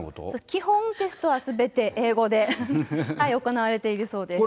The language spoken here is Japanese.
基本、テストはすべて英語で行われているそうです。